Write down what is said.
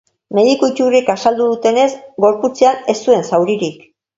Mediku iturriek azaldu dutenez gorputzean ez zuen zauririk.